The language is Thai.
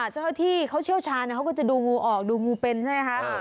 เจ้าหน้าที่เขาเชี่ยวชาญเขาก็จะดูงูออกดูงูเป็นใช่ไหมคะ